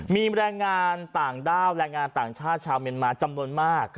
มีแรงงานต่างด้าวแรงงานต่างชาติชาวเมียนมาจำนวนมาก